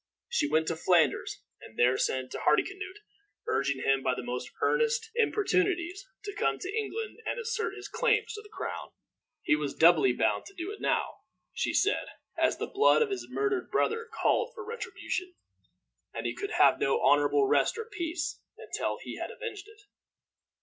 She went to Flanders, and there sent to Hardicanute, urging him by the most earnest importunities to come to England and assert his claims to the crown. He was doubly bound to do it now, she said, as the blood of his murdered brother called for retribution, and he could have no honorable rest or peace until he had avenged it.